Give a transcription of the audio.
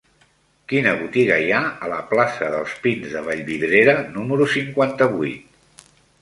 Quina botiga hi ha a la plaça dels Pins de Vallvidrera número cinquanta-vuit?